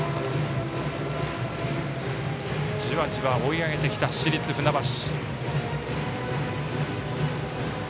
じわじわ追い上げてきた市立船橋。